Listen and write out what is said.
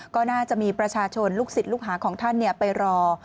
ก็น่าจะมีประชาชนลูกศิษย์ลูกหาของท่านไปรอ